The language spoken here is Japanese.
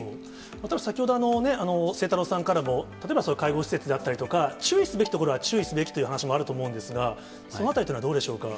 例えば先ほど、晴太郎さんからも、例えば介護施設であったりとか、注意すべきところは注意すべきという話もあるかと思うんですが、そのあたりというのはどうでしょうか。